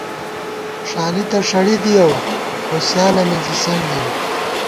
ݭالی تہ ݭڑِی دِیَؤ خو سیالہ مِنزی سم بِیَؤ